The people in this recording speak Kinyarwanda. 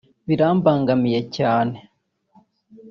birambangamiye cyane